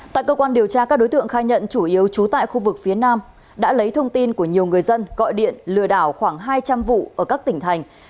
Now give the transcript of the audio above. tại cơ quan điều tra các đối tượng khai nhận chủ yếu trú tại khu vực phía nam đã lấy thông tin của nhiều người dân gọi điện lừa đảo khoảng hai trăm linh vụ ở các tỉnh thành